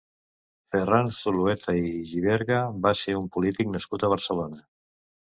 Ferran Zulueta i Giberga va ser un polític nascut a Barcelona.